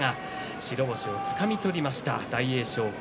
白星をつかみ取りました大栄翔です。